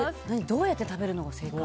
どうやって食べるのが正解？